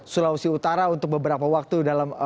sulawesi utara untuk beberapa waktu dalam